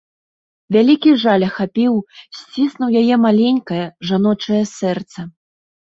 Вялікі жаль ахапіў, сціснуў яе маленькае, жаночае сэрца.